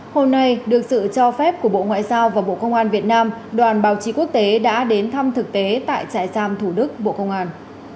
hôm nay được sự cho phép của bộ ngoại giao và bộ công an việt nam đoàn báo chí quốc tế đã đến thăm thực tế tại trại giam thủ đức bộ công an